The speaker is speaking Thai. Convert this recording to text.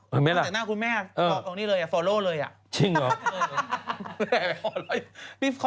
คุณแม่ตอบตรงนี้เลย